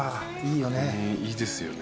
いいですよね。